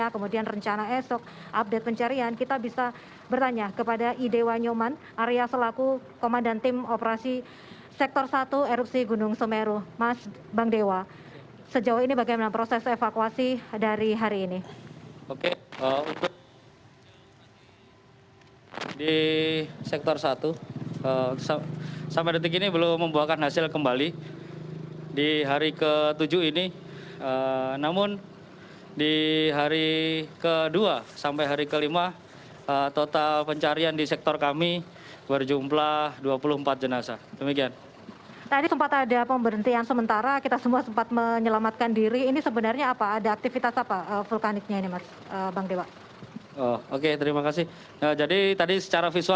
kemudian rencana esok update pencerian kita bisa bertanya kepada ide wanyuman area selaku komandan tim operasi sektor satu erupsi gunung semeru